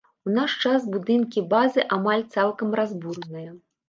У наш час будынкі базы амаль цалкам разбураныя.